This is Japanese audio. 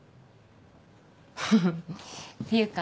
フフっていうか